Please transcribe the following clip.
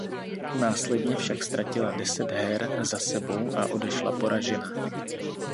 Následně však ztratila deset her za sebou a odešla poražena.